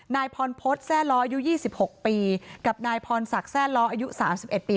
นายพรพฤษแซ่ล้ออายุ๒๖ปีกับนายพรศักดิ์แร่ล้ออายุ๓๑ปี